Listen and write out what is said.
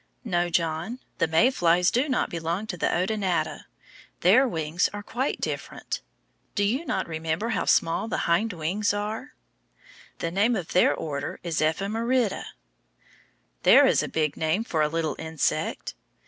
No, John, the May flies do not belong to the Odonata. Their wings are quite different. Do you not remember how small the hind wings are? The name of their order is EPH E MER I DA. There is a big name for a little insect!